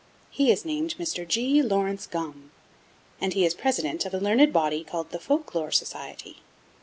He is named Mr. G. Laurence Gomme, and he is president of a learned body called the Folk Lore Society.